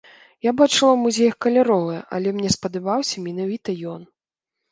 Я бачыла ў музеях каляровыя, але мне спадабаўся менавіта ён.